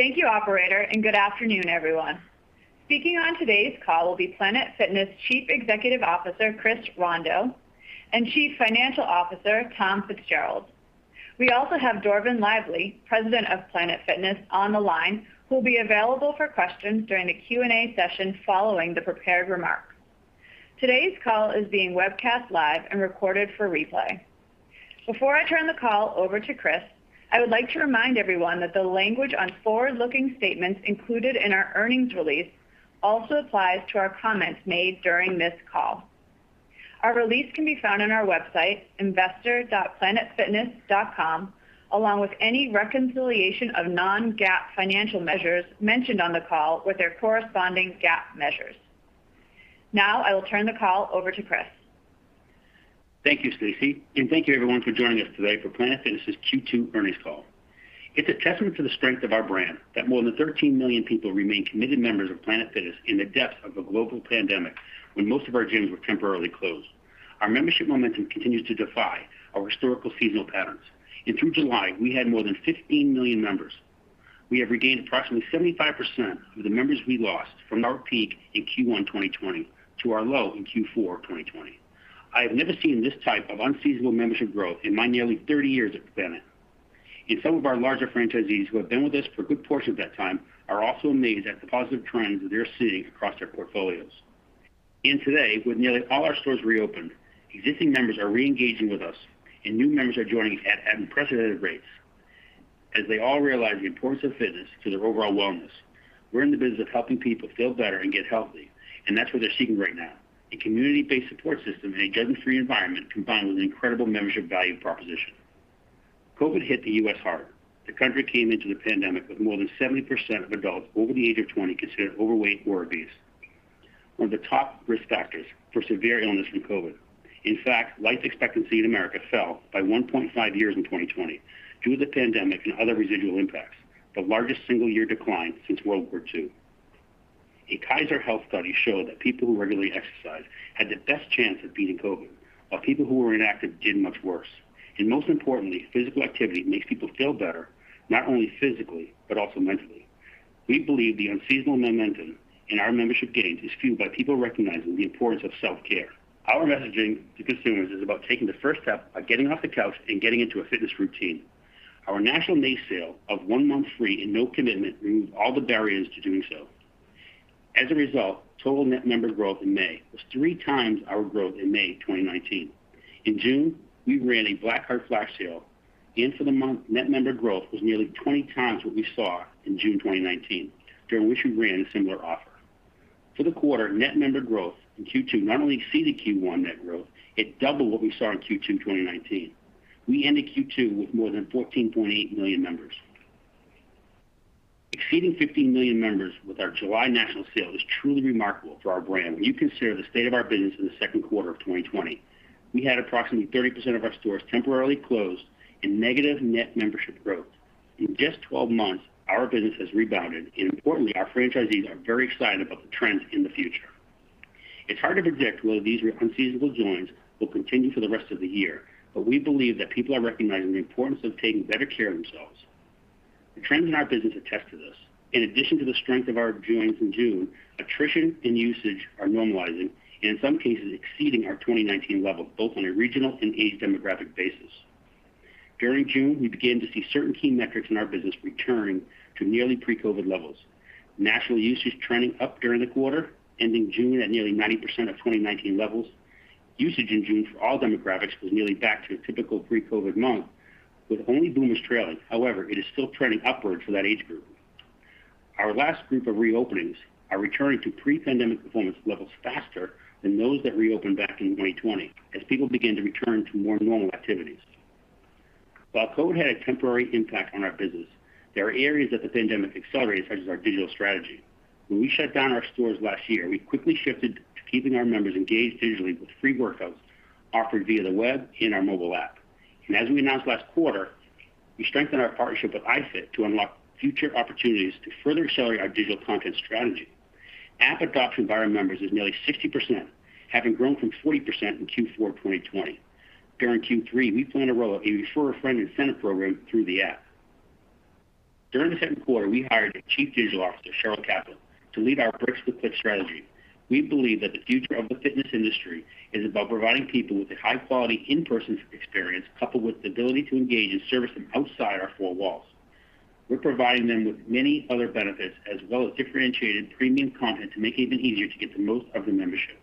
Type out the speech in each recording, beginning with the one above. Thank you, operator, and good afternoon, everyone. Speaking on today's call will be Planet Fitness Chief Executive Officer, Chris Rondeau, and Chief Financial Officer, Tom Fitzgerald. We also have Dorvin Lively, President of Planet Fitness, on the line, who will be available for questions during the Q&A session following the prepared remarks. Today's call is being webcast live and recorded for replay. Before I turn the call over to Chris, I would like to remind everyone that the language on forward-looking statements included in our earnings release also applies to our comments made during this call. Our release can be found on our website, investor.planetfitness.com, along with any reconciliation of non-GAAP financial measures mentioned on the call with their corresponding GAAP measures. Now, I will turn the call over to Chris. Thank you, Stacey. Thank you everyone for joining us today for Planet Fitness's Q2 earnings call. It's a testament to the strength of our brand that more than 13 million people remain committed members of Planet Fitness in the depths of a global pandemic when most of our gyms were temporarily closed. Our membership momentum continues to defy our historical seasonal patterns, and through July, we had more than 15 million members. We have regained approximately 75% of the members we lost from our peak in Q1 2020 to our low in Q4 2020. I have never seen this type of unseasonal membership growth in my nearly 30 years at Planet. Some of our larger franchisees who have been with us for a good portion of that time are also amazed at the positive trends that they're seeing across their portfolios. Today, with nearly all our stores reopened, existing members are reengaging with us and new members are joining at unprecedented rates as they all realize the importance of fitness to their overall wellness. We're in the business of helping people feel better and get healthy, and that's what they're seeking right now, a community-based support system in a judgment-free environment, combined with an incredible membership value proposition. COVID hit the U.S. hard. The country came into the pandemic with more than 70% of adults over the age of 20 considered overweight or obese, one of the top risk factors for severe illness from COVID. In fact, life expectancy in America fell by 1.5 years in 2020 due to the pandemic and other residual impacts, the largest single-year decline since World War II. A Kaiser health study showed that people who regularly exercise had the best chance of beating COVID, while people who were inactive did much worse. Most importantly, physical activity makes people feel better, not only physically, but also mentally. We believe the unseasonal momentum in our membership gains is fueled by people recognizing the importance of self-care. Our messaging to consumers is about taking the first step by getting off the couch and getting into a fitness routine. Our national May sale of one month free and no commitment removed all the barriers to doing so. As a result, total net member growth in May was three times our growth in May 2019. In June, we ran a Black Card flash sale. For the month, net member growth was nearly 20 times what we saw in June 2019, during which we ran a similar offer. For the quarter, net member growth in Q2 not only exceeded Q1 net growth, it doubled what we saw in Q2 2019. We ended Q2 with more than 14.8 million members. Exceeding 15 million members with our July national sale is truly remarkable for our brand when you consider the state of our business in the Q2 of 2020. We had approximately 30% of our stores temporarily closed and negative net membership growth. In just 12 months, our business has rebounded, and importantly, our franchisees are very excited about the trends in the future. It's hard to predict whether these unseasonal joins will continue for the rest of the year, but we believe that people are recognizing the importance of taking better care of themselves. The trends in our business attest to this. In addition to the strength of our joins in June, attrition and usage are normalizing and in some cases, exceeding our 2019 levels, both on a regional and age demographic basis. During June, we began to see certain key metrics in our business returning to nearly pre-COVID levels. National usage trending up during the quarter, ending June at nearly 90% of 2019 levels. Usage in June for all demographics was nearly back to a typical pre-COVID month, with only boomers trailing. It is still trending upward for that age group. Our last group of reopenings are returning to pre-pandemic performance levels faster than those that reopened back in 2020, as people begin to return to more normal activities. While COVID had a temporary impact on our business, there are areas that the pandemic accelerated, such as our digital strategy. When we shut down our stores last year, we quickly shifted to keeping our members engaged digitally with free workouts offered via the web and our mobile app. As we announced last quarter, we strengthened our partnership with iFIT to unlock future opportunities to further accelerate our digital content strategy. App adoption by our members is nearly 60%, having grown from 40% in Q4 2020. During Q3, we plan to roll out a refer-a-friend incentive program through the app. During the Q2, we hired a chief digital officer, Sherrill Kaplan, to lead our bricks with clicks strategy. We believe that the future of the fitness industry is about providing people with a high-quality in-person experience, coupled with the ability to engage in services outside our four walls. We're providing them with many other benefits, as well as differentiated premium content to make it even easier to get the most out of their membership.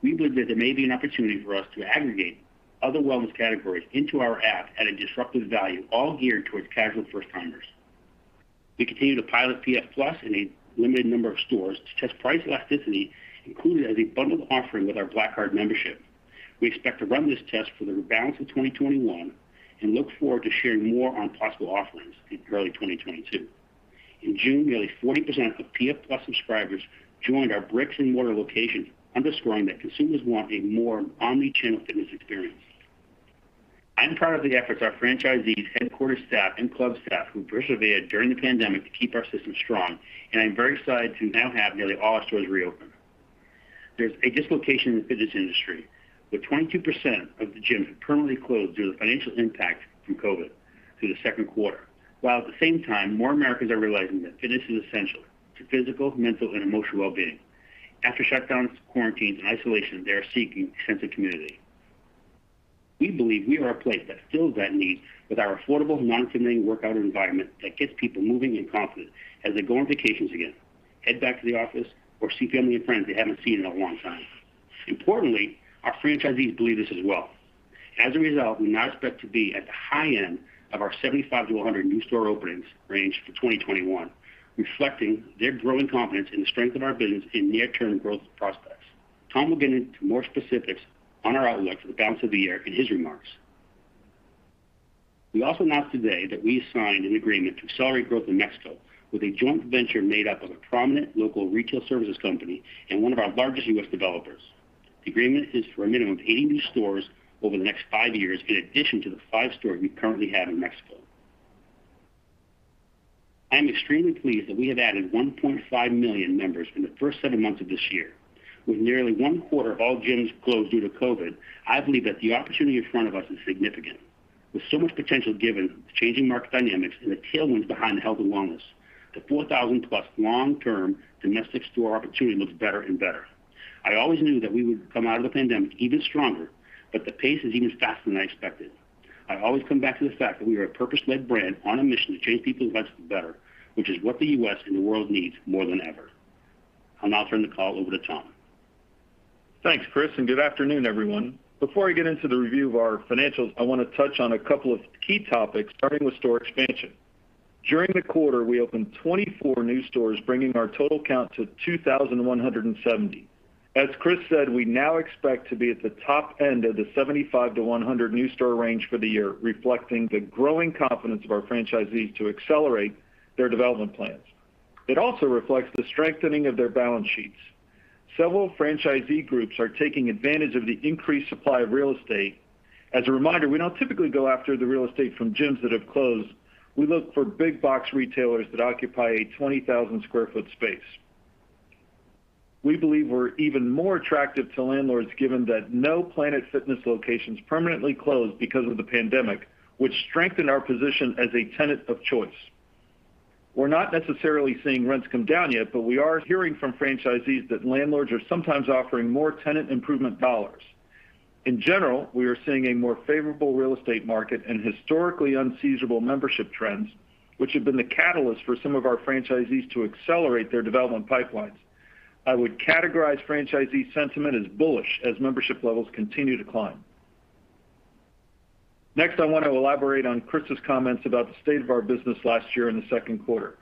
We believe that there may be an opportunity for us to aggregate other wellness categories into our app at a disruptive value, all geared towards casual first-timers. We continue to pilot PF+ in a limited number of stores to test price elasticity, included as a bundled offering with our Black Card membership. We expect to run this test for the balance of 2021 and look forward to sharing more on possible offerings in early 2022. In June, nearly 40% of PF+ subscribers joined our bricks and mortar location, underscoring that consumers want a more omnichannel fitness experience. I'm proud of the efforts our franchisees, headquarters staff, and club staff who persevered during the pandemic to keep our system strong, and I'm very excited to now have nearly all our stores reopened. There's a dislocation in the fitness industry, with 22% of the gyms have permanently closed due to the financial impact from COVID through the Q2. At the same time, more Americans are realizing that fitness is essential to physical, mental, and emotional wellbeing. After shutdowns, quarantines, and isolation, they are seeking a sense of community. We believe we are a place that fills that need with our affordable, non-intimidating workout environment that gets people moving and confident as they go on vacations again, head back to the office, or see family and friends they haven't seen in a long time. Importantly, our franchisees believe this as well. We now expect to be at the high end of our 75-100 new store openings range for 2021, reflecting their growing confidence in the strength of our business and near-term growth prospects. Tom will get into more specifics on our outlook for the balance of the year in his remarks. We also announced today that we signed an agreement to accelerate growth in Mexico with a joint venture made up of a prominent local retail services company and one of our largest U.S. developers. The agreement is for a minimum of 80 new stores over the next five years, in addition to the five stores we currently have in Mexico. I am extremely pleased that we have added 1.5 million members in the first seven months of this year. With nearly one-quarter of all gyms closed due to COVID, I believe that the opportunity in front of us is significant. With so much potential given the changing market dynamics and the tailwinds behind health and wellness, the 4,000-plus long-term domestic store opportunity looks better and better. I always knew that we would come out of the pandemic even stronger, but the pace is even faster than I expected. I always come back to the fact that we are a purpose-led brand on a mission to change people's lives for the better, which is what the U.S. and the world needs more than ever. I'll now turn the call over to Tom. Thanks, Chris, and good afternoon, everyone. Before I get into the review of our financials, I want to touch on a couple of key topics, starting with store expansion. During the quarter, we opened 24 new stores, bringing our total count to 2,170. As Chris said, we now expect to be at the top end of the 75-100 new store range for the year, reflecting the growing confidence of our franchisees to accelerate their development plans. It also reflects the strengthening of their balance sheets. Several franchisee groups are taking advantage of the increased supply of real estate. As a reminder, we don't typically go after the real estate from gyms that have closed. We look for big-box retailers that occupy a 20,000 sq ft space. We believe we're even more attractive to landlords given that no Planet Fitness locations permanently closed because of the pandemic, which strengthened our position as a tenant of choice. We're not necessarily seeing rents come down yet, but we are hearing from franchisees that landlords are sometimes offering more tenant improvement dollars. In general, we are seeing a more favorable real estate market and historically unseasonable membership trends, which have been the catalyst for some of our franchisees to accelerate their development pipelines. I would categorize franchisee sentiment as bullish as membership levels continue to climb. Next, I want to elaborate on Chris' comments about the state of our business last year in the Q2.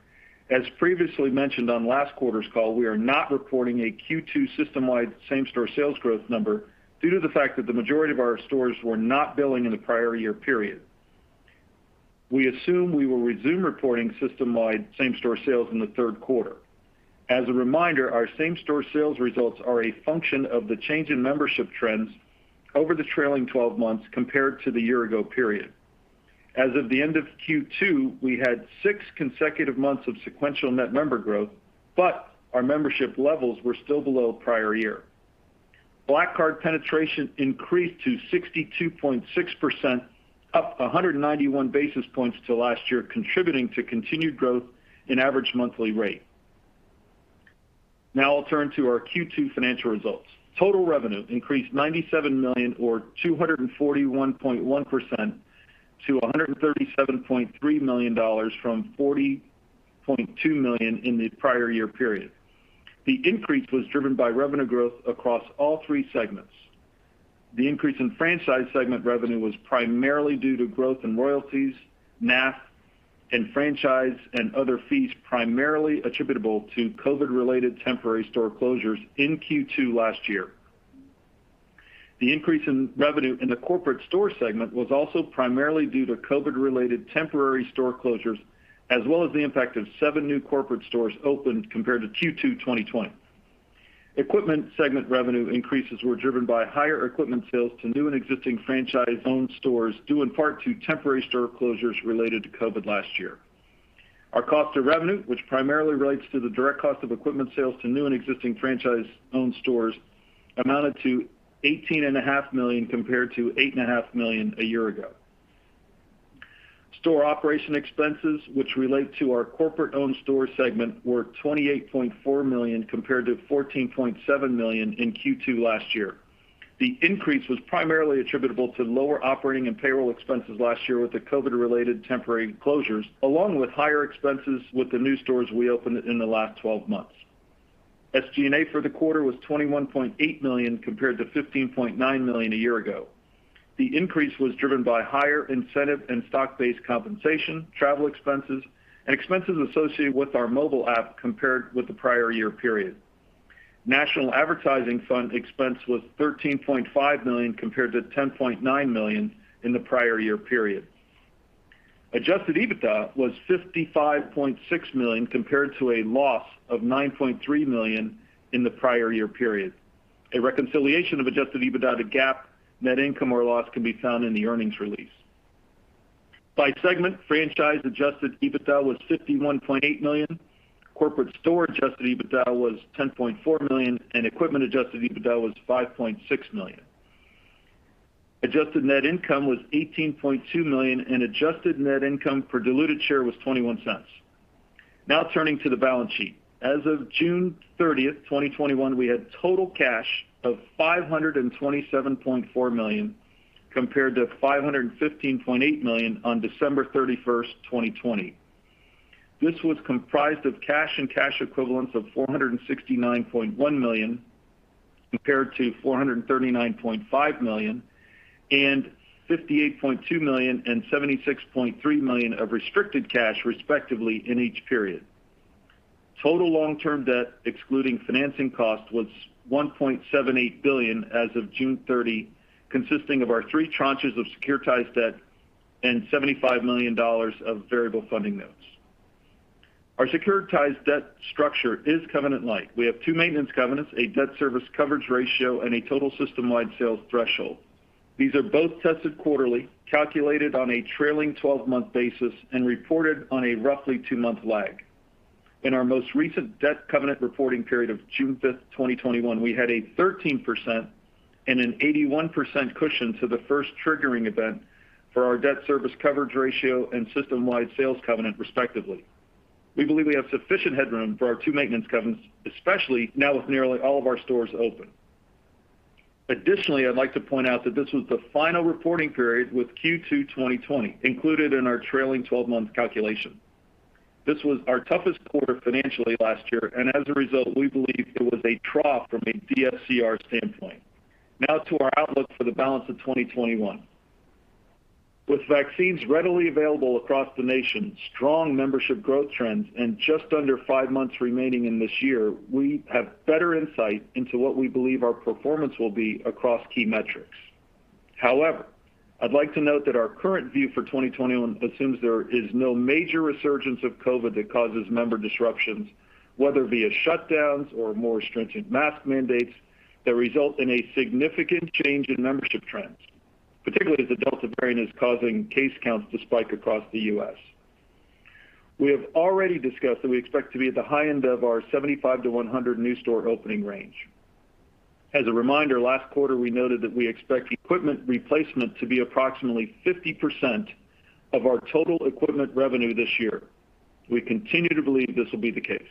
As previously mentioned on last quarter's call, we are not reporting a Q2 system-wide same-store sales growth number due to the fact that the majority of our stores were not billing in the prior year period. We assume we will resume reporting system-wide same-store sales in the Q3. As a reminder, our same-store sales results are a function of the change in membership trends over the trailing 12 months compared to the year-ago period. As of the end of Q2, we had six consecutive months of sequential net member growth, but our membership levels were still below prior year. Black Card penetration increased to 62.6%, up 191-basis points to last year, contributing to continued growth in average monthly rate. Now I'll turn to our Q2 financial results. Total revenue increased $97 million or 241.1% to $137.3 million from $40.2 million in the prior year period. The increase was driven by revenue growth across all three segments. The increase in franchise segment revenue was primarily due to growth in royalties, NAF, and franchise, and other fees primarily attributable to COVID-related temporary store closures in Q2 last year. The increase in revenue in the corporate store segment was also primarily due to COVID-related temporary store closures, as well as the impact of seven new corporate stores opened compared to Q2 2020. Equipment segment revenue increases were driven by higher equipment sales to new and existing franchise-owned stores, due in part to temporary store closures related to COVID last year. Our cost of revenue, which primarily relates to the direct cost of equipment sales to new and existing franchise-owned stores, amounted to $18.5 million compared to $8.5 million a year ago. Store operation expenses, which relate to our corporate-owned store segment, were $28.4 million compared to $14.7 million in Q2 last year. The increase was primarily attributable to lower operating and payroll expenses last year with the COVID-related temporary closures, along with higher expenses with the new stores we opened in the last 12 months. SG&A for the quarter was $21.8 million compared to $15.9 million a year ago. The increase was driven by higher incentive and stock-based compensation, travel expenses, and expenses associated with our mobile app compared with the prior year period. National Advertising Fund expense was $13.5 million compared to $10.9 million in the prior year period. Adjusted EBITDA was $55.6 million compared to a loss of $9.3 million in the prior year period. A reconciliation of adjusted EBITDA to GAAP net income or loss can be found in the earnings release. By segment, franchise adjusted EBITDA was $51.8 million. Corporate store adjusted EBITDA was $10.4 million, and equipment adjusted EBITDA was $5.6 million. Adjusted net income was $18.2 million, and adjusted net income per diluted share was $0.21. Now turning to the balance sheet. As of June 30th, 2021, we had total cash of $527.4 million, compared to $515.8 million on December 31st, 2020. This was comprised of cash and cash equivalents of $469.1 million, compared to $439.5 million, and $58.2 million and $76.3 million of restricted cash respectively in each period. Total long-term debt, excluding financing cost, was $1.78 billion as of June 30th, consisting of our three tranches of securitized debt and $75 million of variable funding notes. Our securitized debt structure is covenant-lite. We have two maintenance covenants, a debt service coverage ratio, and a total system-wide sales threshold. These are both tested quarterly, calculated on a trailing 12-month basis, and reported on a roughly two-month lag. In our most recent debt covenant reporting period of June 5th, 2021, we had a 13% and an 81% cushion to the first triggering event for our debt service coverage ratio and system-wide sales covenant respectively. We believe we have sufficient headroom for our two maintenance covenants, especially now with nearly all of our stores open. Additionally, I'd like to point out that this was the final reporting period with Q2 2020 included in our trailing 12-month calculation. This was our toughest quarter financially last year. As a result, we believe it was a trough from a DSCR standpoint. To our outlook for the balance of 2021. With vaccines readily available across the nation, strong membership growth trends, and just under five months remaining in this year, we have better insight into what we believe our performance will be across key metrics. However, I'd like to note that our current view for 2021 assumes there is no major resurgence of COVID that causes member disruptions, whether via shutdowns or more stringent mask mandates, that result in a significant change in membership trends, particularly as the Delta variant is causing case counts to spike across the U.S. We have already discussed that we expect to be at the high end of our 75-100 new store opening range. As a reminder, last quarter we noted that we expect equipment replacement to be approximately 50% of our total equipment revenue this year. We continue to believe this will be the case.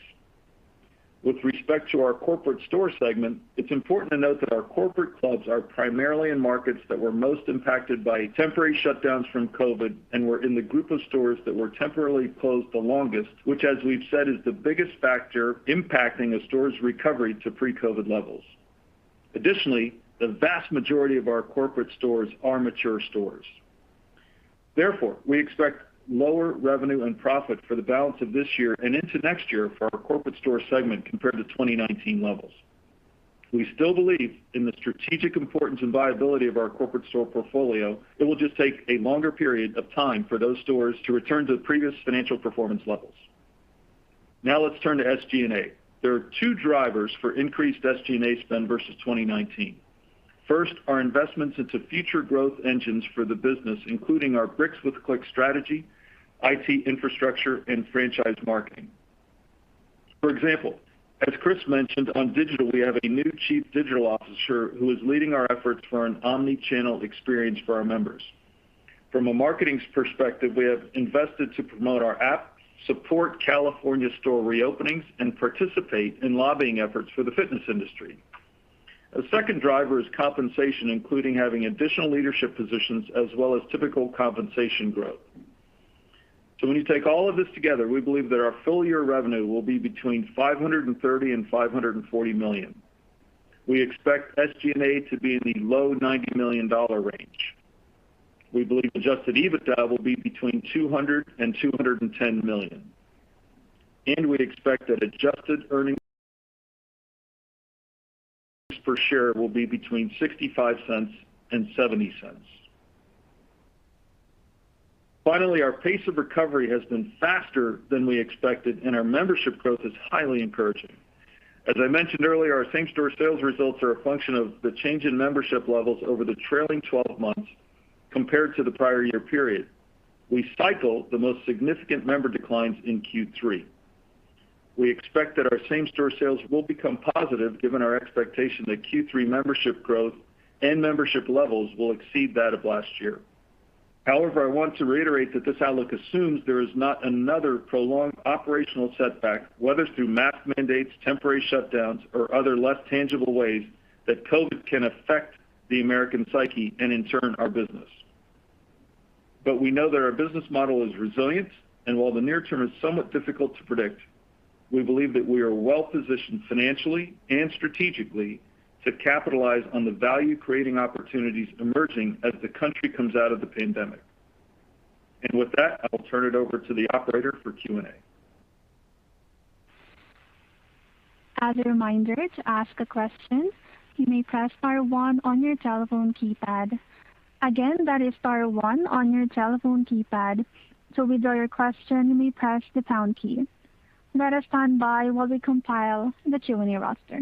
With respect to our corporate store segment, it's important to note that our corporate clubs are primarily in markets that were most impacted by temporary shutdowns from COVID-19, and were in the group of stores that were temporarily closed the longest, which as we've said, is the biggest factor impacting a store's recovery to pre-COVID-19 levels. Additionally, the vast majority of our corporate stores are mature stores. Therefore, we expect lower revenue and profit for the balance of this year and into next year for our corporate store segment compared to 2019 levels. We still believe in the strategic importance and viability of our corporate store portfolio. It will just take a longer period of time for those stores to return to the previous financial performance levels. Now let's turn to SG&A. There are two drivers for increased SG&A spend versus 2019. First, our investments into future growth engines for the business, including our bricks with clicks strategy, IT infrastructure, and franchise marketing. For example, as Chris mentioned on digital, we have a new Chief Digital Officer who is leading our efforts for an omni-channel experience for our members. From a marketing perspective, we have invested to promote our app, support California store reopenings, and participate in lobbying efforts for the fitness industry. A second driver is compensation, including having additional leadership positions as well as typical compensation growth. When you take all of this together, we believe that our full-year revenue will be between $530 million and $540 million. We expect SG&A to be in the low $90 million range. We believe adjusted EBITDA will be between $200 million and $210 million. We expect that adjusted earnings per share will be between $0.65 and $0.70. Finally, our pace of recovery has been faster than we expected, and our membership growth is highly encouraging. As I mentioned earlier, our same-store sales results are a function of the change in membership levels over the trailing 12 months compared to the prior year period. We cycle the most significant member declines in Q3. We expect that our same-store sales will become positive given our expectation that Q3 membership growth and membership levels will exceed that of last year. However, I want to reiterate that this outlook assumes there is not another prolonged operational setback, whether through mask mandates, temporary shutdowns, or other less tangible ways that COVID can affect the American psyche and in turn, our business. We know that our business model is resilient, and while the near term is somewhat difficult to predict, we believe that we are well-positioned financially and strategically to capitalize on the value-creating opportunities emerging as the country comes out of the pandemic. With that, I will turn it over to the operator for Q&A. As a reminder, to ask a question, you may press star one on your telephone keypad. Again, that is star one on your telephone keypad. To withdraw your question, you may press the pound key. Let us stand by while we compile the Q&A roster.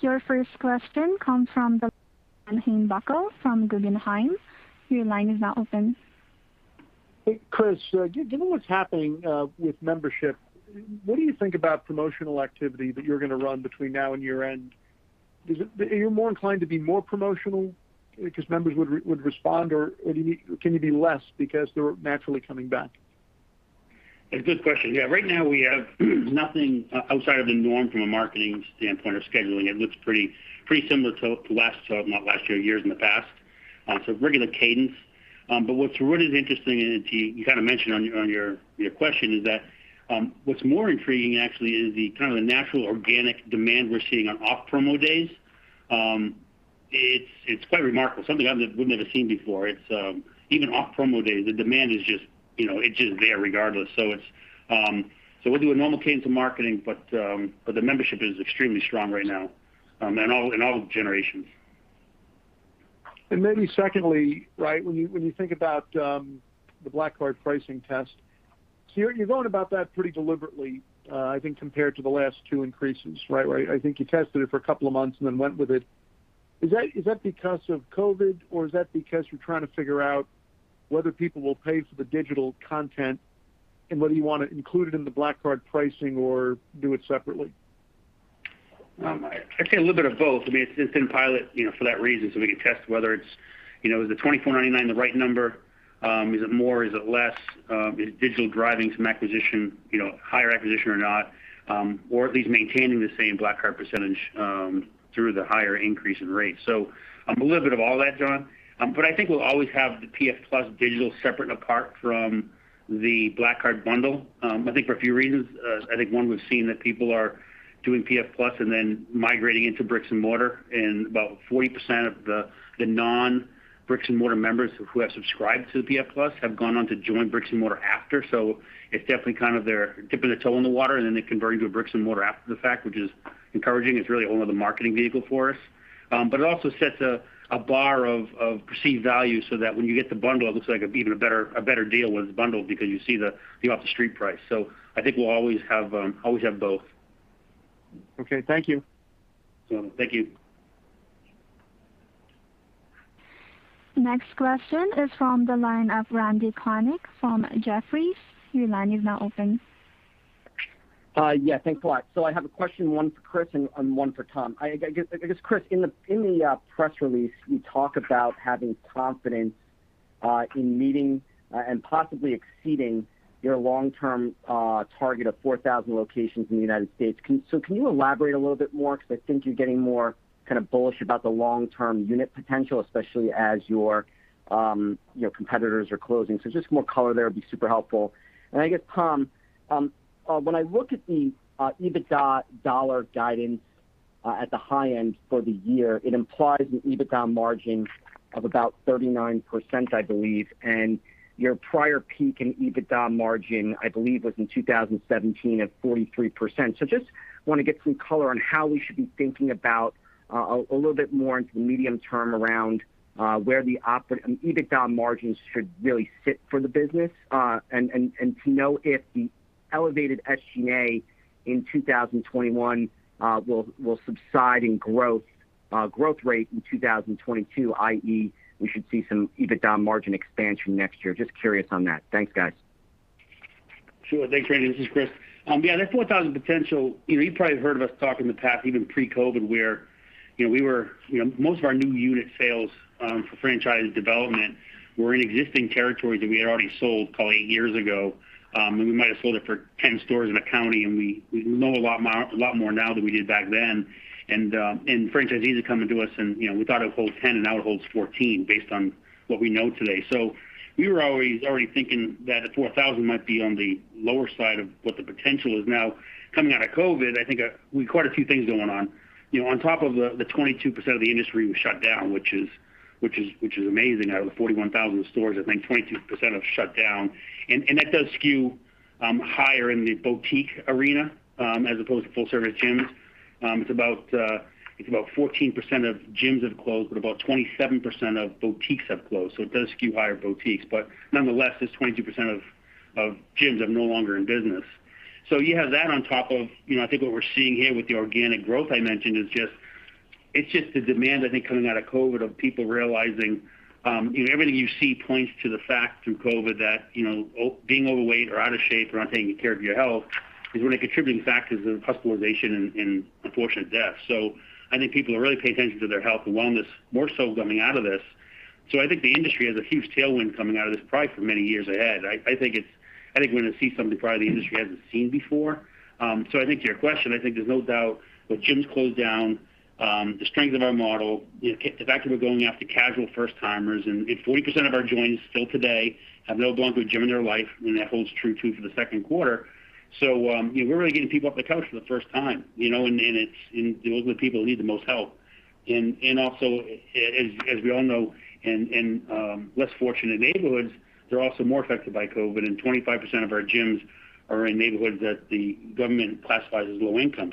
Your first question comes from John Heinbockel from Guggenheim. Your line is now open. Hey, Chris. Given what's happening with membership, what do you think about promotional activity that you're going to run between now and year-end? Are you more inclined to be more promotional because members would respond? Can you be less because they're naturally coming back? A good question. Yeah. Right now, we have nothing outside of the norm from a marketing standpoint of scheduling. It looks pretty similar to last, not last year, years in the past. Regular cadence. What is interesting, and you kind of mentioned on your question, is that what's more intriguing actually is the kind of natural, organic demand we're seeing on off-promo days. It's quite remarkable, something that we've never seen before. Even off-promo days, the demand is just there regardless. We'll do a normal cadence of marketing, but the membership is extremely strong right now, in all generations. Maybe secondly, right, when you think about the Black Card pricing test, you're going about that pretty deliberately, I think, compared to the last 2 increases, right? I think you tested it for a couple of months and then went with it. Is that because of COVID, or is that because you're trying to figure out whether people will pay for the digital content, and whether you want to include it in the Black Card pricing or do it separately? I'd say a little bit of both. It's in pilot for that reason, we can test whether is the $24.99 the right number. Is it more? Is it less? Is digital driving some acquisition, higher acquisition or not? At least maintaining the same Black Card percentage through the higher increase in rate. A little bit of all that, John. I think we'll always have the PF Plus digital separate and apart from the Black Card bundle. I think for a few reasons. I think one, we've seen that people are doing PF Plus and then migrating into bricks with clicks, and about 40% of the non-bricks with clicks members who have subscribed to PF Plus have gone on to join bricks with clicks after. It's definitely they're dipping a toe in the water, and then they convert into a bricks and mortar after the fact, which is encouraging. It's really another marketing vehicle for us. It also sets a bar of perceived value so that when you get the bundle, it looks like an even better deal when it's bundled because you see the off-the-street price. I think we'll always have both. Okay. Thank you. Yeah. Thank you. Next question is from the line of Randal Konik from Jefferies. Your line is now open. Yeah. Thanks a lot. I have a question, one for Chris and one for Tom. I guess, Chris, in the press release, you talk about having confidence in meeting and possibly exceeding your long-term target of 4,000 locations in the United States. Can you elaborate a little bit more? Because I think you're getting more kind of bullish about the long-term unit potential, especially as your competitors are closing. Just more color there would be super helpful. I guess, Tom, when I look at the EBITDA dollar guidance at the high end for the year, it implies an EBITDA margin of about 39%, I believe. Your prior peak in EBITDA margin, I believe, was in 2017 at 43%. Just want to get some color on how we should be thinking about a little bit more into the medium term around where the EBITDA margins should really sit for the business. To know if the elevated SG&A in 2021 will subside in growth rate in 2022, i.e., we should see some EBITDA margin expansion next year. Just curious on that. Thanks, guys. Sure. Thanks, Randy. This is Chris. Yeah, that 4,000 potential, you've probably heard of us talk in the past, even pre-COVID, where most of our new unit sales for franchise development were in existing territories that we had already sold probably eight years ago. We might have sold it for 10 stores in a county, and we know a lot more now than we did back then. Franchisees are coming to us, and we thought it would hold 10, and now it holds 14, based on what we know today. We were always already thinking that the 4,000 might be on the lower side of what the potential is now. Coming out of COVID, I think we've quite a few things going on. On top of the 22% of the industry was shut down, which is amazing. Out of the 41,000 stores, I think 22% have shut down, and that does skew higher in the boutique arena, as opposed to full-service gyms. It's about 14% of gyms have closed, but about 27% of boutiques have closed, so it does skew higher boutiques. Nonetheless, it's 22% of gyms that are no longer in business. You have that on top of, I think what we're seeing here with the organic growth I mentioned, it's just the demand, I think, coming out of COVID of people realizing everything you see points to the fact through COVID that being overweight or out of shape or not taking care of your health is one of the contributing factors of hospitalization and unfortunate deaths. I think people are really paying attention to their health and wellness more so coming out of this. I think the industry has a huge tailwind coming out of this, probably for many years ahead. I think we're going to see something probably the industry hasn't seen before. I think to your question, I think there's no doubt with gyms closed down, the strength of our model, the fact that we're going after casual first-timers, and if 40% of our joins still today have never gone to a gym in their life, and that holds true too for the Q2. We're really getting people off the couch for the first time, and those are the people who need the most help. Also, as we all know, in less fortunate neighborhoods. They're also more affected by COVID, and 25% of our gyms are in neighborhoods that the government classifies as low-income.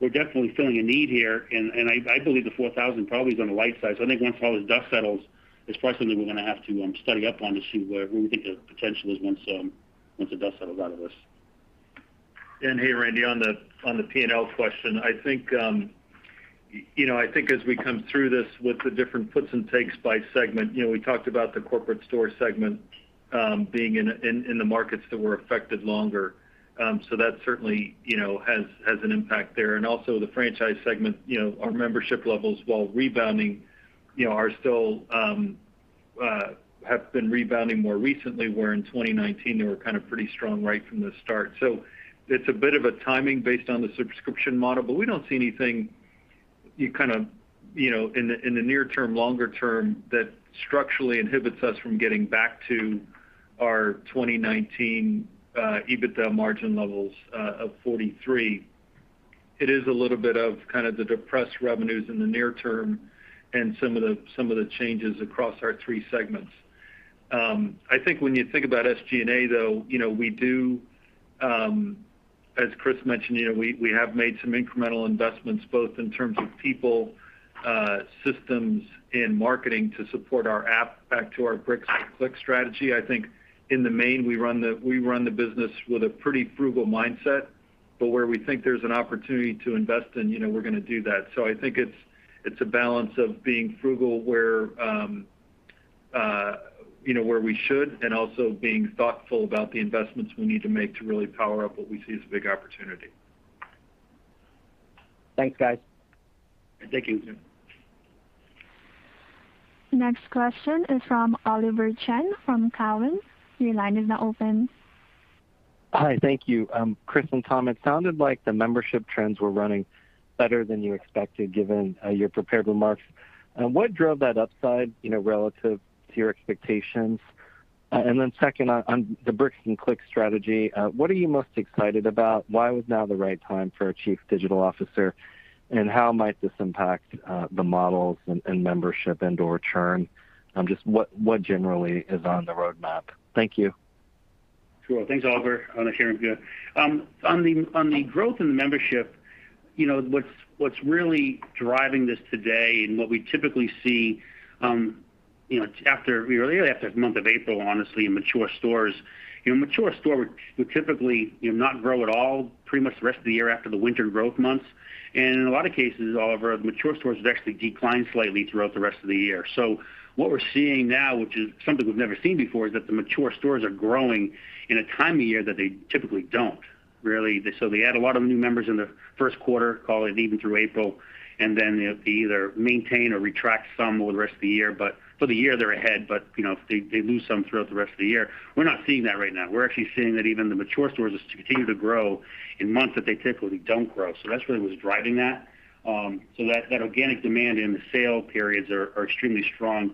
We're definitely filling a need here, and I believe the 4,000 probably is on the light side. I think once all the dust settles, it's probably something we're going to have to study up on to see where we think the potential is once the dust settles out of this. Hey, Randy, on the P&L question, I think as we come through this with the different puts and takes by segment. We talked about the corporate store segment being in the markets that were affected longer. That certainly has an impact there. Also the franchise segment, our membership levels, while rebounding, have been rebounding more recently, where in 2019, they were kind of pretty strong right from the start. It's a bit of a timing based on the subscription model, but we don't see anything in the near term, longer term, that structurally inhibits us from getting back to our 2019 EBITDA margin levels of 43%. It is a little bit of the depressed revenues in the near term and some of the changes across our three segments. I think when you think about SG&A, though, as Chris mentioned, we have made some incremental investments both in terms of people, systems, and marketing to support our app back to our bricks with clicks strategy. I think in the main, we run the business with a pretty frugal mindset. Where we think there's an opportunity to invest in, we're going to do that. I think it's a balance of being frugal where we should, and also being thoughtful about the investments we need to make to really power up what we see as a big opportunity. Thanks, guys. Thank you. Next question is from Oliver Chen from Cowen. Your line is now open. Hi. Thank you. Chris and Tom, it sounded like the membership trends were running better than you expected, given your prepared remarks. What drove that upside relative to your expectations? Second, on the bricks with clicks strategy, what are you most excited about? Why was now the right time for a Chief Digital Officer, and how might this impact the models and membership and/or churn? Just what generally is on the roadmap? Thank you. Sure. Thanks, Oliver. Glad to hear him again. On the growth in the membership, what's really driving this today and what we typically see, really after the month of April, honestly, in mature stores. Mature stores would typically not grow at all pretty much the rest of the year after the winter growth months. In a lot of cases, Oliver, mature stores would actually decline slightly throughout the rest of the year. What we're seeing now, which is something we've never seen before, is that the mature stores are growing in a time of year that they typically don't. Really, they add a lot of new members in the Q1, call it even through April, and then they either maintain or retract some over the rest of the year. For the year, they're ahead, but they lose some throughout the rest of the year. We're not seeing that right now. We're actually seeing that even the mature stores continue to grow in months that they typically don't grow. That's really what's driving that. That organic demand in the sale periods are extremely strong,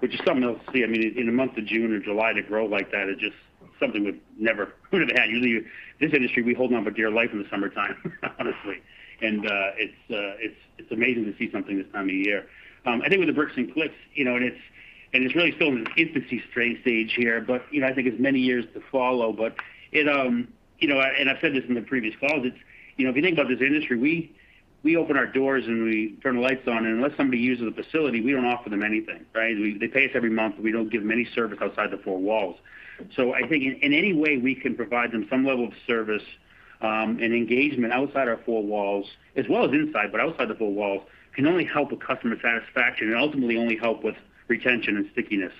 which is something else. In the month of June or July to grow like that is just something we never could have had. Usually, this industry, we hold on for dear life in the summertime, honestly. It's amazing to see something this time of year. I think with the bricks with clicks, and it's really still in its infancy stage here, but I think it's many years to follow. And I've said this in the previous calls, if you think about this industry, we open our doors and we turn the lights on, and unless somebody uses the facility, we don't offer them anything, right? They pay us every month. We don't give them any service outside the four walls. I think in any way we can provide them some level of service and engagement outside our four walls, as well as inside, but outside the four walls, can only help with customer satisfaction and ultimately only help with retention and stickiness.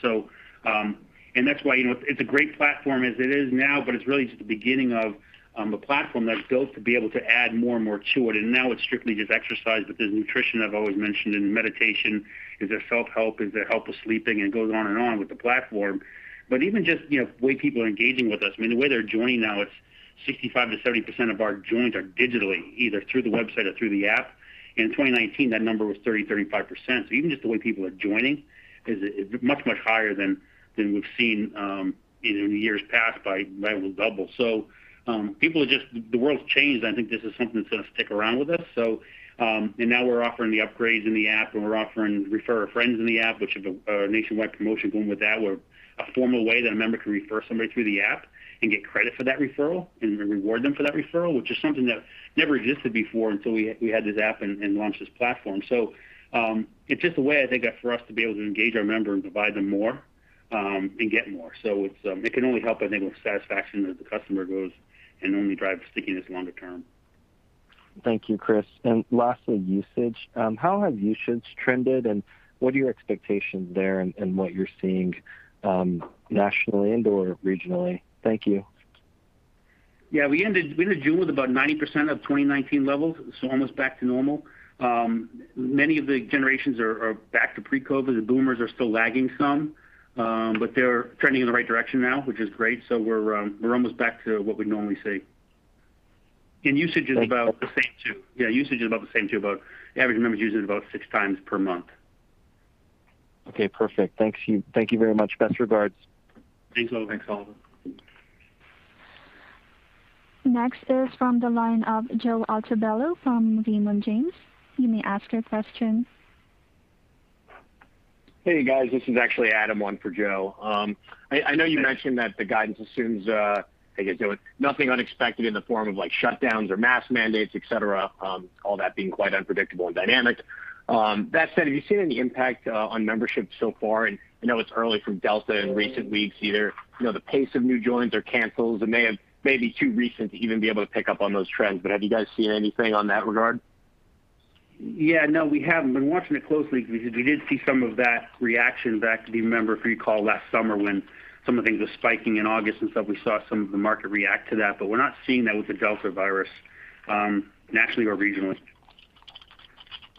That's why it's a great platform as it is now, but it's really just the beginning of a platform that's built to be able to add more and more to it. Now it's strictly just exercise, but there's nutrition I've always mentioned, and meditation. Is there self-help? Is there help with sleeping? It goes on and on with the platform. Even just way people are engaging with us. The way they're joining now, it's 65%-70% of our joins are digitally, either through the website or through the app. In 2019, that number was 30%-35%. Even just the way people are joining is much, much higher than we've seen in the years past by double. The world's changed. I think this is something that's going to stick around with us. Now we're offering the upgrades in the app, and we're offering refer a friend in the app, which is a nationwide promotion going with that, where a formal way that a member can refer somebody through the app and get credit for that referral and reward them for that referral, which is something that never existed before until we had this app and launched this platform. It's just a way, I think, for us to be able to engage our member and provide them more and get more. It can only help, I think, with satisfaction as the customer goes and only drive stickiness longer-term. Thank you, Chris. Lastly, usage. How have usages trended, and what are your expectations there and what you're seeing nationally and/or regionally? Thank you. Yeah. We ended June with about 90% of 2019 levels, almost back to normal. Many of the generations are back to pre-COVID. The boomers are still lagging some. They're trending in the right direction now, which is great. We're almost back to what we'd normally see. Usage is about the same, too. Yeah, usage is about the same, too. About the average member is using about six times per month. Okay, perfect. Thank you very much. Best regards. Thanks, Oliver. Next is from the line of Joe Altobello from Raymond James. You may ask your question. Hey, guys. This is actually Adam, one for Joe. I know you mentioned that the guidance assumes, I guess, nothing unexpected in the form of shutdowns or mask mandates, et cetera, all that being quite unpredictable and dynamic. That said, have you seen any impact on membership so far? I know it's early from Delta in recent weeks, either the pace of new joins or cancels. It may have maybe too recent to even be able to pick up on those trends, but have you guys seen anything on that regard? Yeah. No, we haven't. We've been watching it closely because we did see some of that reaction back, if you remember, if you recall, last summer when some of the things were spiking in August and stuff. We saw some of the market react to that. We're not seeing that with the Delta virus, nationally or regionally.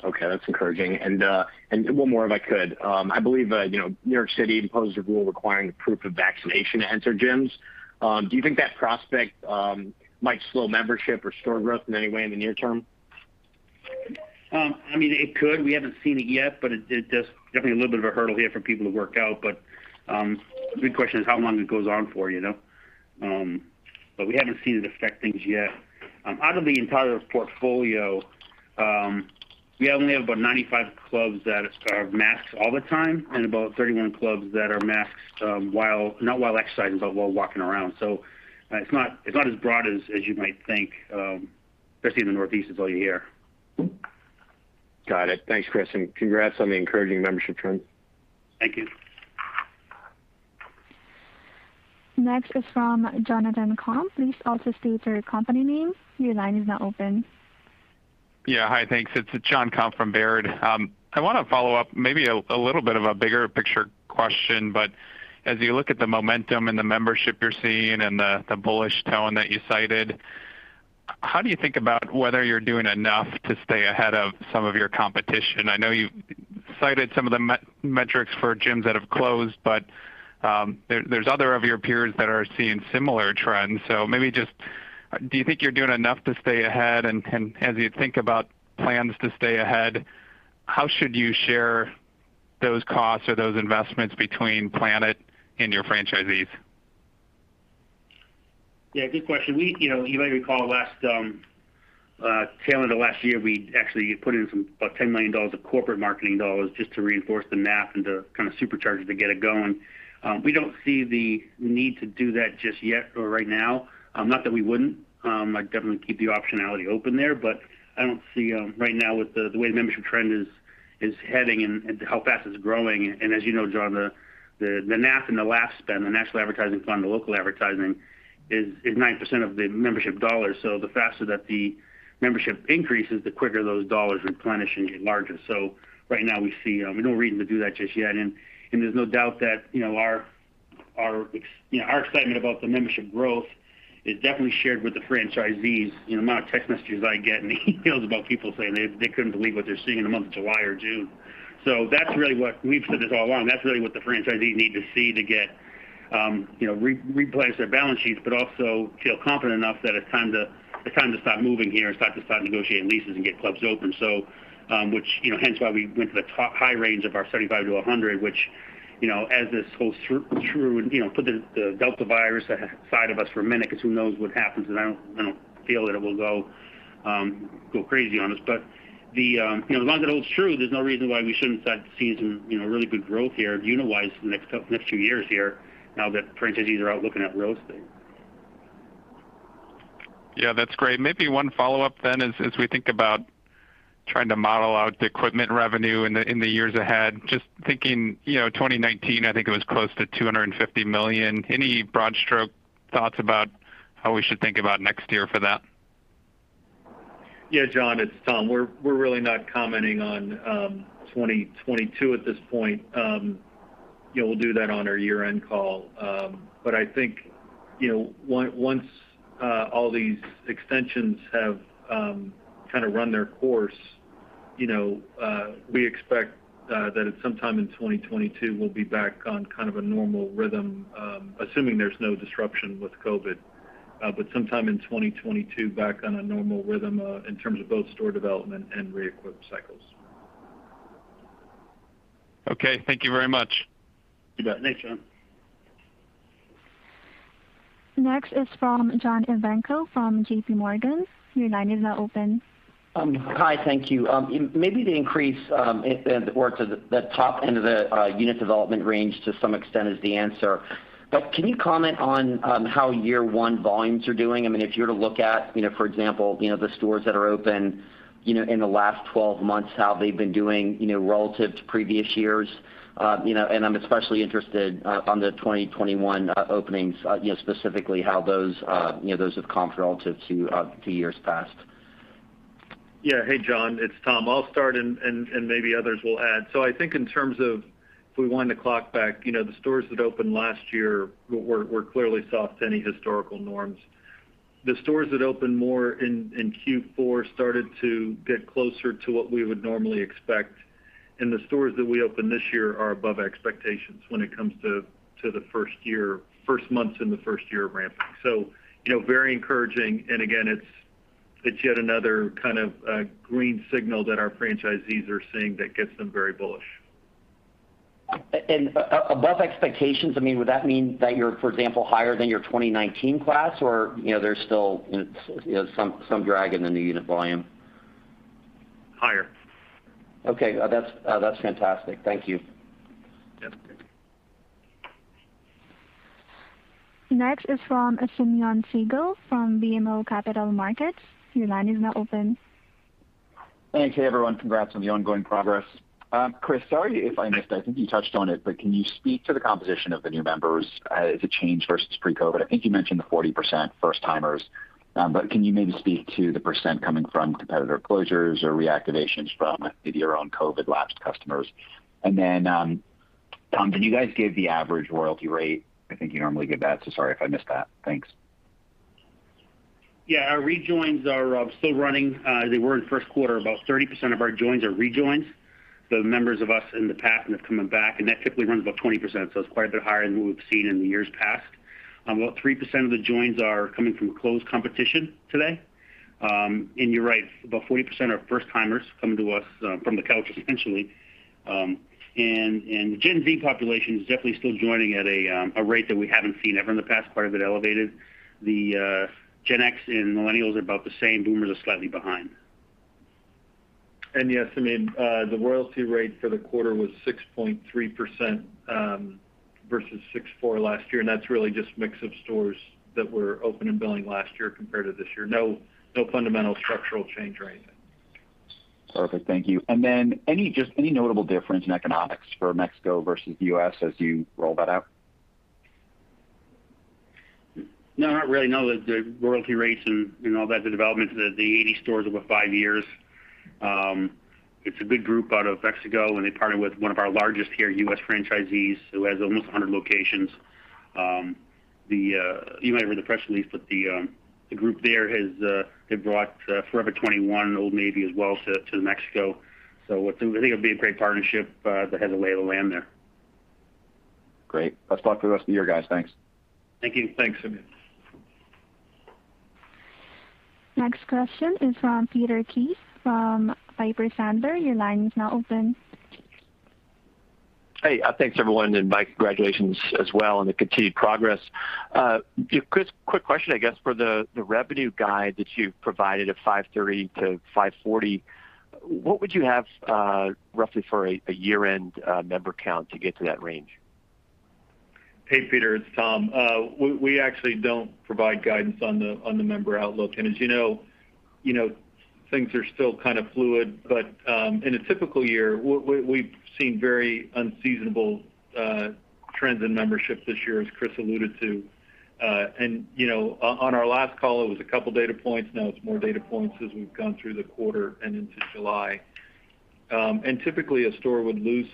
Okay. That's encouraging. One more, if I could. I believe New York City imposed a rule requiring proof of vaccination to enter gyms. Do you think that prospect might slow membership or store growth in any way in the near term? It could. We haven't seen it yet, but it does definitely a little bit of a hurdle here for people to work out. The big question is how long it goes on for. We haven't seen it affect things yet. Out of the entire portfolio, we only have about 95 clubs that are masked all the time, and about 31 clubs that are masked not while exercising, but while walking around. It's not as broad as you might think, especially in the Northeast is all you hear. Got it. Thanks, Chris, and congrats on the encouraging membership trend. Thank you. Next is from Jonathan Komp. Please also state your company name. Your line is now open. Yeah. Hi. Thanks. It's John Komp from Baird. I want to follow up, maybe a little bit of a bigger picture question. As you look at the momentum and the membership you're seeing and the bullish tone that you cited, how do you think about whether you're doing enough to stay ahead of some of your competition? I know you've cited some of the metrics for gyms that have closed, there's other of your peers that are seeing similar trends. Maybe just do you think you're doing enough to stay ahead? As you think about plans to stay ahead, how should you share those costs or those investments between Planet and your franchisees? Yeah, good question. You might recall tail end of last year, we actually put in about $10 million of corporate marketing dollars just to reinforce the NAF and to kind of supercharge it to get it going. We don't see the need to do that just yet or right now. Not that we wouldn't. I'd definitely keep the optionality open there, I don't see right now with the way the membership trend is heading and how fast it's growing. As you know, John, the NAF and the LAF spend, the National Advertising Fund, the Local Advertising is 9% of the membership dollars. The faster that the membership increases, the quicker those dollars replenish and get larger. Right now we see no reason to do that just yet. There's no doubt that our excitement about the membership growth is definitely shared with the franchisees. The amount of text messages I get and the emails about people saying they couldn't believe what they're seeing in the month of July or June. That's really what we've said this all along. That's really what the franchisees need to see to replace their balance sheets, but also feel confident enough that it's time to start moving here and start negotiating leases and get clubs open. Hence why we went to the top high range of our 75-100, which, as this holds true and put the Delta virus aside of us for a minute, because who knows what happens, and I don't feel that it will go crazy on us. As long as it holds true, there's no reason why we shouldn't start to see some really good growth here unit-wise for the next few years here now that franchisees are out looking at real estate. Yeah, that's great. Maybe one follow-up then, as we think about trying to model out the equipment revenue in the years ahead. Just thinking 2019, I think it was close to $250 million. Any broad stroke thoughts about how we should think about next year for that? Yeah, Jon, it's Tom. We're really not commenting on 2022 at this point. We'll do that on our year-end call. I think once all these extensions have run their course, we expect that at sometime in 2022, we'll be back on kind of a normal rhythm, assuming there's no disruption with COVID. Sometime in 2022, back on a normal rhythm in terms of both store development and re-equip cycles. Okay. Thank you very much. You bet. Thanks, Jon. Next is from John Ivankoe from JPMorgan. Your line is now open. Hi. Thank you. Maybe the increase or the top end of the unit development range to some extent is the answer, can you comment on how year one volumes are doing? If you were to look at, for example, the stores that are open, in the last 12 months, how they've been doing relative to previous years? I'm especially interested on the 2021 openings, specifically how those have comped relative to years past. Yeah. Hey, John. It's Tom. I'll start and maybe others will add. I think in terms of if we wind the clock back, the stores that opened last year were clearly soft to any historical norms. The stores that opened more in Q4 started to get closer to what we would normally expect, and the stores that we opened this year are above expectations when it comes to the first months in the first year of ramp. Very encouraging, and again, it's yet another kind of green signal that our franchisees are seeing that gets them very bullish. Above expectations, would that mean that you're, for example, higher than your 2019 class? There's still some drag in the unit volume? Higher. Okay. That's fantastic. Thank you. Yeah. Thank you. Next is from Simeon Siegel from BMO Capital Markets. Your line is now open. Thanks. Hey, everyone. Congrats on the ongoing progress. Chris, sorry if I missed, I think you touched on it, but can you speak to the composition of the new members as a change versus pre-COVID? I think you mentioned the 40% first-timers. Can you maybe speak to the % coming from competitor closures or reactivations from maybe your own COVID-lapsed customers? Tom, can you guys give the average royalty rate? I think you normally give that, so sorry if I missed that. Thanks. Yeah, our rejoins are still running. They were in the Q1. About 30% of our joins are rejoins. The members of us in the past and have come back, and that typically runs about 20%, so it is quite a bit higher than what we have seen in the years past. About 3% of the joins are coming from closed competition today. You're right, about 40% are first-timers coming to us from the couch, essentially. The Gen Z population is definitely still joining at a rate that we haven't seen ever in the past, quite a bit elevated. The Gen X and Millennials are about the same. Boomers are slightly behind. Yes, Simeon, the royalty rate for the quarter was 6.3% versus 6.4% last year, and that's really just mix of stores that were open and billing last year compared to this year. No fundamental structural change or anything. Perfect. Thank you. Just any notable difference in economics for Mexico versus the U.S. as you roll that out? Not really. No. The royalty rates and all that, the development, the 80 stores over five years. It's a big group out of Mexico, and they partnered with one of our largest here, U.S. franchisees, who has almost 100 locations. You might have read the press release, but the group there has brought Forever 21 and Old Navy as well to Mexico. I think it'll be a great partnership that has the lay of the land there. Great. Let's talk for the rest of the year, guys. Thanks. Thank you. Thanks, Simeon. Next question is from Peter Keith from Piper Sandler. Your line is now open. Hey. Thanks, everyone, and my congratulations as well on the continued progress. Chris, quick question, I guess, for the revenue guide that you provided of $530-$540 million. What would you have roughly for a year-end member count to get to that range? Hey, Peter, it's Tom. We actually don't provide guidance on the member outlook. As you know, things are still kind of fluid. In a typical year, we've seen very unseasonable trends in membership this year, as Chris alluded to. On our last call, it was a couple data points. Now it's more data points as we've gone through the quarter and into July. Typically, a store would lose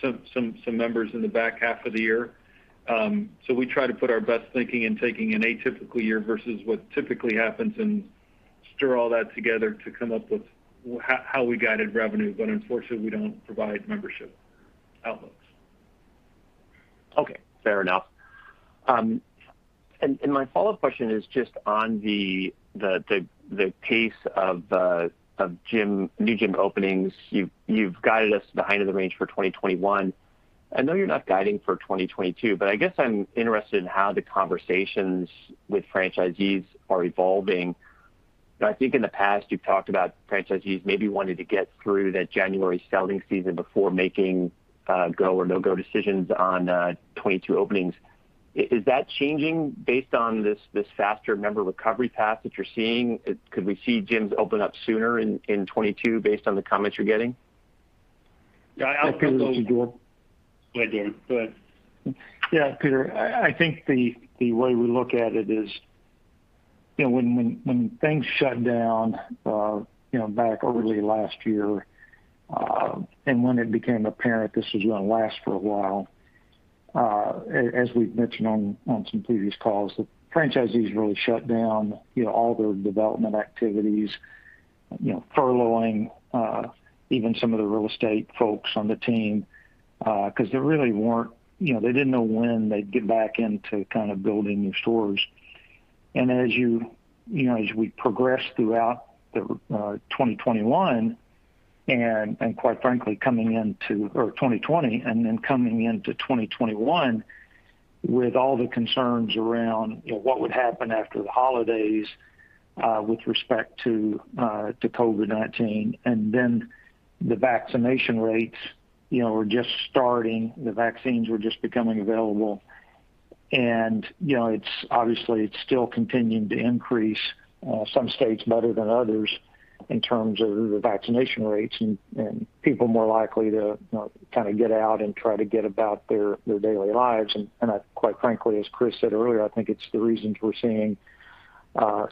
some members in the back half of the year. We try to put our best thinking in taking an atypical year versus what typically happens and stir all that together to come up with how we guided revenue. Unfortunately, we don't provide membership outlooks. Okay. Fair enough. My follow-up question is just on the pace of new gym openings. You've guided us behind of the range for 2021. I know you're not guiding for 2022, but I guess I'm interested in how the conversations with franchisees are evolving. I think in the past you've talked about franchisees maybe wanting to get through that January selling season before making go or no-go decisions on 2022 openings. Is that changing based on this faster member recovery path that you're seeing? Could we see gyms open up sooner in 2022 based on the comments you're getting? Yeah. I'll take that one. Go ahead, Dorvin. Go ahead. Yeah, Peter, I think the way we look at it is when things shut down back early last year, and when it became apparent this was going to last for a while, as we've mentioned on some previous calls, the franchisees really shut down all their development activities. Furloughing even some of the real estate folks on the team, because there really they didn't know when they'd get back into building new stores. As we progress throughout 2021 and quite frankly, or 2020, and then coming into 2021 with all the concerns around what would happen after the holidays with respect to COVID-19, and then the vaccination rates were just starting. The vaccines were just becoming available. Obviously, it's still continuing to increase. Some states better than others in terms of the vaccination rates and people more likely to get out and try to get about their daily lives. Quite frankly, as Chris said earlier, I think it's the reasons we're seeing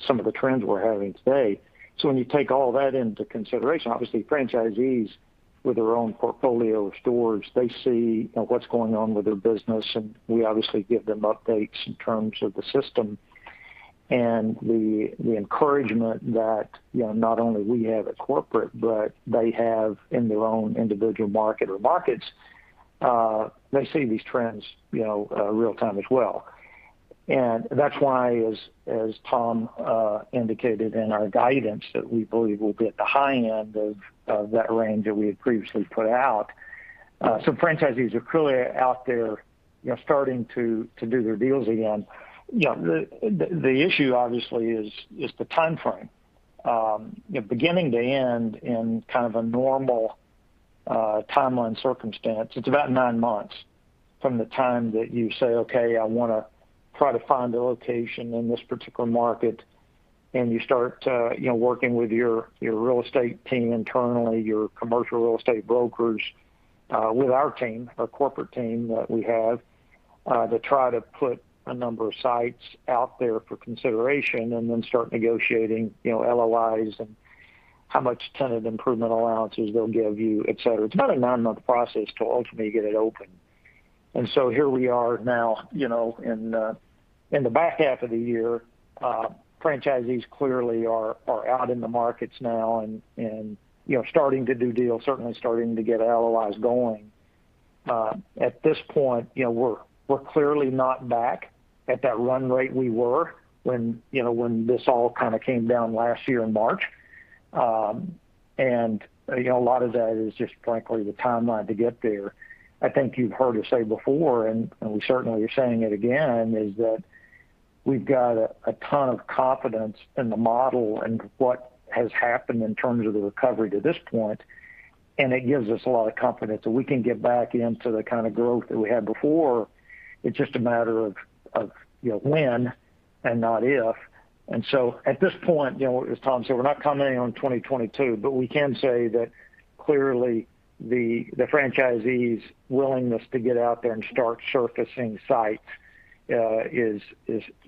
some of the trends we're having today. When you take all that into consideration, obviously franchisees with their own portfolio of stores, they see what's going on with their business, and we obviously give them updates in terms of the system and the encouragement that not only we have at corporate, but they have in their own individual market or markets. They see these trends real-time as well. That's why, as Tom indicated in our guidance, that we believe we'll be at the high end of that range that we had previously put out. Franchisees are clearly out there starting to do their deals again. The issue obviously is the timeframe. Beginning to end in kind of a normal timeline circumstance, it's about nine months from the time that you say, "Okay, I want to try to find a location in this particular market," and you start working with your real estate team internally, your commercial real estate brokers, with our team, our corporate team that we have, to try to put a number of sites out there for consideration and then start negotiating LOIs and how much tenant improvement allowances they'll give you, et cetera. It's about a nine-month process to ultimately get it open. Here we are now in the back half of the year. Franchisees clearly are out in the markets now and starting to do deals, certainly starting to get LOIs going. At this point, we're clearly not back at that run rate we were when this all kind of came down last year in March. A lot of that is just frankly the timeline to get there. I think you've heard us say before, we certainly are saying it again, is that we've got a ton of confidence in the model and what has happened in terms of the recovery to this point, and it gives us a lot of confidence that we can get back into the kind of growth that we had before. It's just a matter of when and not if. At this point as Tom said, we're not commenting on 2022, but we can say that clearly the franchisees' willingness to get out there and start surfacing sites is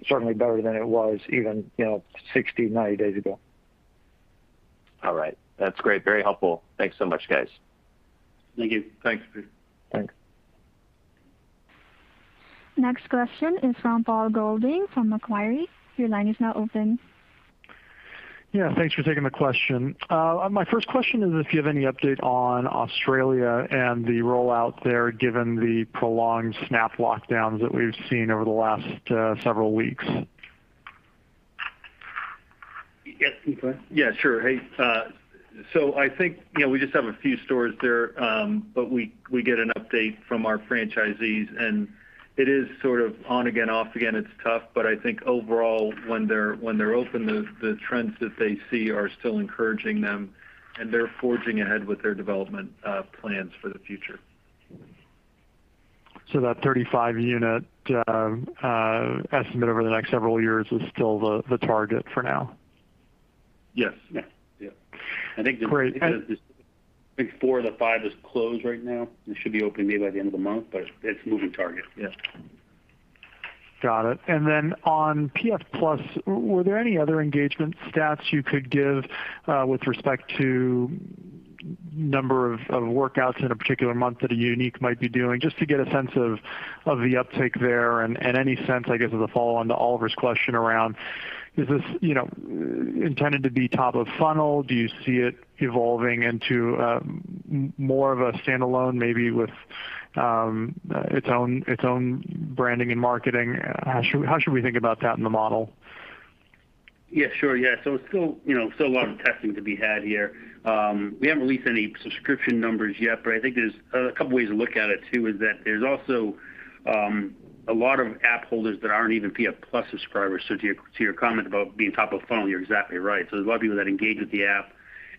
certainly better than it was even 60, 90 days ago. All right. That's great. Very helpful. Thanks so much, guys. Thank you. Thanks, Peter. Thanks. Next question is from Paul Golding from Macquarie. Your line is now open. Yeah. Thanks for taking the question. My first question is if you have any update on Australia and the rollout there, given the prolonged snap lockdowns that we've seen over the last several weeks. Yes, Chris, go ahead. Yeah, sure. Hey. I think, we just have a few stores there. We get an update from our franchisees, and it is sort of on again, off again. It's tough, but I think overall, when they're open, the trends that they see are still encouraging them and they're forging ahead with their development plans for the future. That 35 unit estimate over the next several years is still the target for now? Yes. Yeah. Great. I think 4 of the 5 is closed right now. They should be opening maybe by the end of the month, but it's a moving target. Yeah. Got it. Then on PF Plus, were there any other engagement stats you could give with respect to number of workouts in a particular month that a unique might be doing, just to get a sense of the uptake there and any sense, I guess, as a follow-on to Oliver's question around, is this intended to be top of funnel? Do you see it evolving into more of a standalone, maybe with its own branding and marketing? How should we think about that in the model? Yeah, sure. It's still a lot of testing to be had here. We haven't released any subscription numbers yet. I think there's a couple ways to look at it too, is that there's also a lot of app holders that aren't even PF Plus subscribers. To your comment about being top of funnel, you're exactly right. There's a lot of people that engage with the app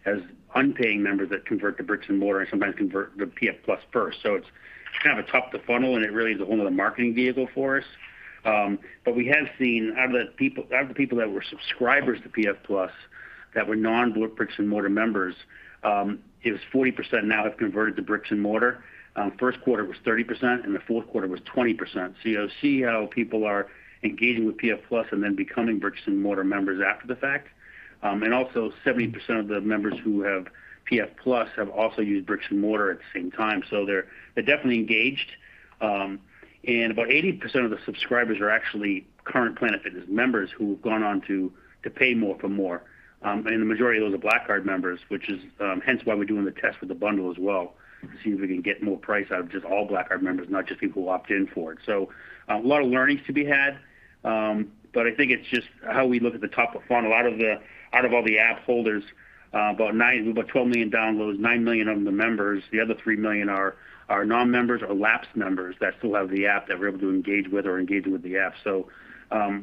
as unpaying members that convert to bricks and mortar and sometimes convert to PF Plus first. It's kind of a top to funnel, and it really is a whole other marketing vehicle for us. We have seen out of the people that were subscribers to PF Plus that were non-bricks and mortar members, it was 40% now have converted to bricks and mortar. Q1 was 30%. The Q4 was 20%. You'll see how people are engaging with PF+ and then becoming bricks and mortar members after the fact. Also, 70% of the members who have PF+ have also used bricks and mortar at the same time. They're definitely engaged. About 80% of the subscribers are actually current Planet Fitness members who have gone on to pay more for more. The majority of those are Black Card members, which is hence why we're doing the test with the bundle as well to see if we can get more price out of just all Black Card members, not just people who opt in for it. A lot of learnings to be had. I think it's just how we look at the top of funnel. Out of all the app holders, about 12 million downloads, 9 million of them are members. The other three million are non-members or lapsed members that still have the app that we're able to engage with or engaging with the app. A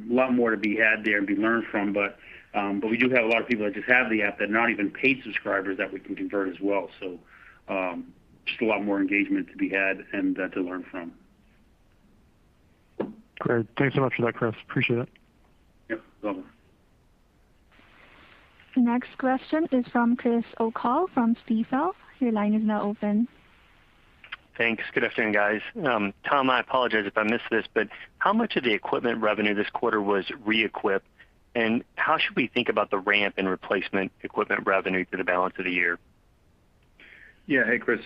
lot more to be had there and be learned from. We do have a lot of people that just have the apps that are not even paid subscribers that we can convert as well. Just a lot more engagement to be had and to learn from. Great. Thanks so much for that, Chris. Appreciate it. Yep. You're welcome. The next question is from Chris O'Cull from Stifel. Your line is now open. Thanks. Good afternoon, guys. Tom, I apologize if I missed this, how much of the equipment revenue this quarter was re-equip? How should we think about the ramp in replacement equipment revenue for the balance of the year? Yeah. Hey, Chris.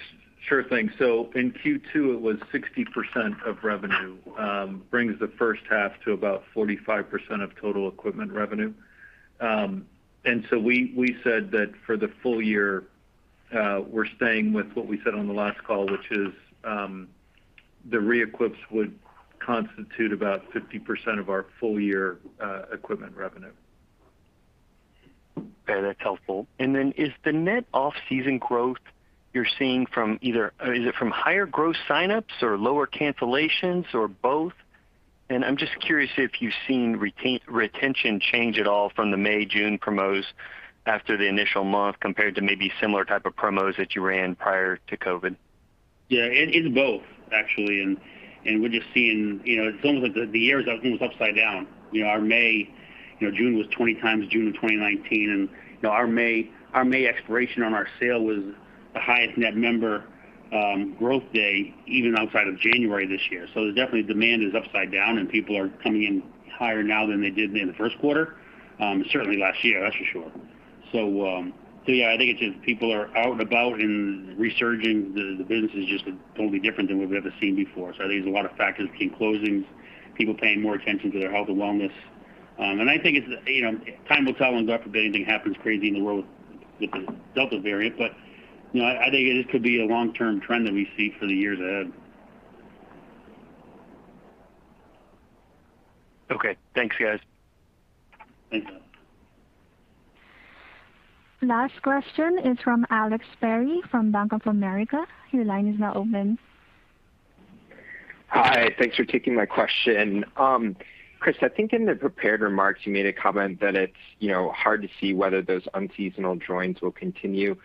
Sure thing. In Q2, it was 60% of revenue. Brings the H1 to about 45% of total equipment revenue. We said that for the full year We're staying with what we said on the last call, which is the re-equips would constitute about 50% of our full-year equipment revenue. Okay, that's helpful. Is the net off-season growth you're seeing from higher gross sign-ups or lower cancellations or both? I'm just curious if you've seen retention change at all from the May, June promos after the initial month compared to maybe similar type of promos that you ran prior to COVID. Yeah, it is both actually. We're just seeing, it's almost like the year is almost upside down. Our May, June was 20 times June of 2019. Our May expiration on our sale was the highest net member growth day, even outside of January this year. Definitely demand is upside down and people are coming in higher now than they did in the Q1. Certainly, last year, that's for sure. Yeah, I think it's just people are out and about and resurging. The business is just totally different than what we've ever seen before. I think there's a lot of factors between closings, people paying more attention to their health and wellness. I think time will tell on God forbid anything happens crazy in the world with the Delta variant. I think this could be a long-term trend that we see for the years ahead. Okay, thanks guys. Thanks. Last question is from Alex Perry from Bank of America. Hi, thanks for taking my question. Chris, I think in the prepared remarks, you made a comment that it's hard to see whether those unseasonal joins will continue.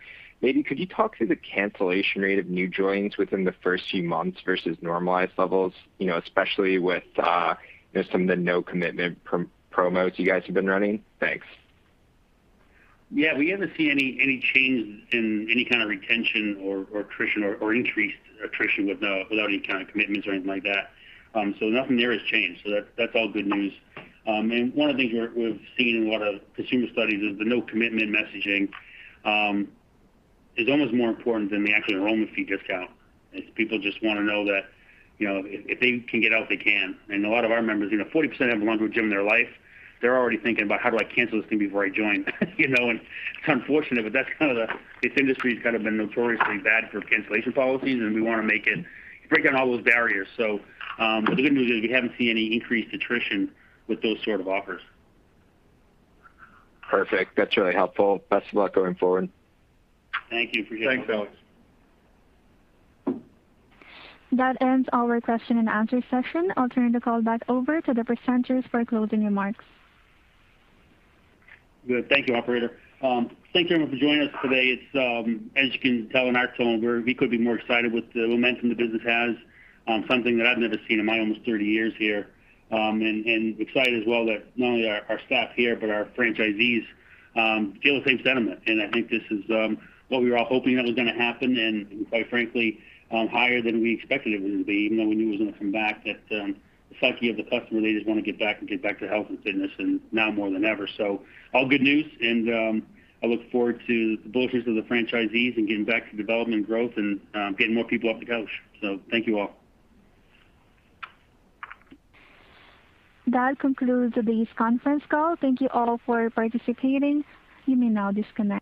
Could you talk through the cancellation rate of new joins within the first few months versus normalized levels, especially with some of the no commitment promos you guys have been running? Thanks. We haven't seen any changes in any kind of retention or attrition or increased attrition without any kind of commitments or anything like that. Nothing there has changed, so that's all good news. One of the things we've seen in a lot of consumer studies is the no commitment messaging is almost more important than the actual enrollment fee discount. It's people just want to know that if they can get out, they can. A lot of our members, 40% have ever belonged to a gym in their life, they're already thinking about how do I cancel this thing before I join? It's unfortunate, but this industry's kind of been notoriously bad for cancellation policies, and we want to break down all those barriers. The good news is we haven't seen any increased attrition with those sorts of offers. Perfect. That's really helpful. Best of luck going forward. Thank you for. Thanks, Alex. That ends our question-and-answer session. I'll turn the call back over to the presenters for closing remarks. Good. Thank you, operator. Thank you everyone for joining us today. As you can tell in our tone, we couldn't be more excited with the momentum the business has. Something that I've never seen in my almost 30 years here. Excited as well that not only our staff here, but our franchisees feel the same sentiment. I think this is what we were all hoping that was going to happen, and quite frankly, higher than we expected it was going to be, even though we knew it was going to come back. That the psyche of the customer, they just want to get back to health and fitness and now more than ever. All good news and I look forward to the bullishness of the franchisees and getting back to development growth and getting more people off the couch. Thank you all. That concludes today's conference call. Thank you all for participating. You may now disconnect.